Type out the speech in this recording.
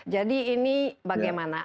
jadi ini bagaimana